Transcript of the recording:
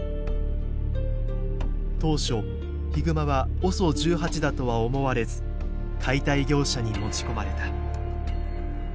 当初ヒグマはＯＳＯ１８だとは思われず解体業者に持ち込まれた。